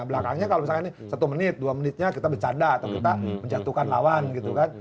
belakangnya kalau misalkan satu menit dua menitnya kita bercanda atau kita menjatuhkan lawan gitu kan